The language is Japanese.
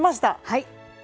はい。